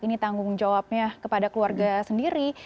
ini tanggung jawabnya kepada keluarga sendiri